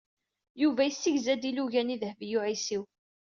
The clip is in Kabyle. Yuba yessegza-d ilugan i Dehbiya u Ɛisiw.